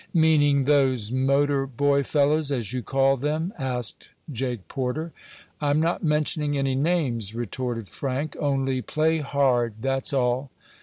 "Meaning those motor boy fellows, as you call them?" asked Jake Porter. "I'm not mentioning any names," retorted Frank. "Only play hard, that's all."